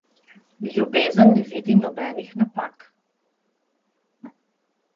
Ljubezen ne vidi nobenih napak.